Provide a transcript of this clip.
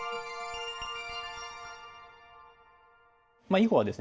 囲碁はですね